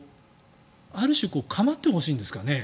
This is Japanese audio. ある種構ってほしいんですかね。